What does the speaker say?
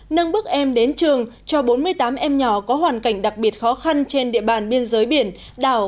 nâng bước em đến trường cho bốn mươi tám em nhỏ có hoàn cảnh đặc biệt khó khăn trên địa bàn biên giới biển đảo